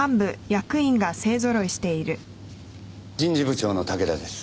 人事部長の竹田です。